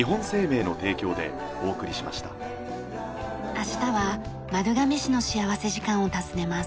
明日は丸亀市の幸福時間を訪ねます。